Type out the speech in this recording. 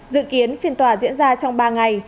dự kiến phiên tòa diễn ra trong ba ngày